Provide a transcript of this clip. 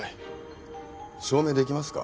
証明出来ますか？